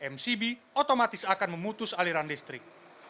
mcb otomatis akan memutus aliran listrik